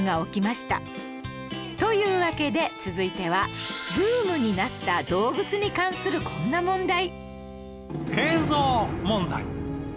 というわけで続いてはブームになった動物に関するこんな問題